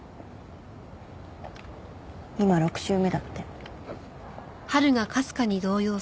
今６週目だって。